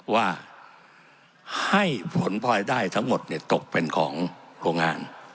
ว่าให้ผลพลอยได้ทั้งหมดตกเป็นของโรงงาน